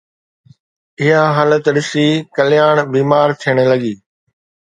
اها حالت ڏسي، ڪلياڻ بيمار ٿيڻ لڳي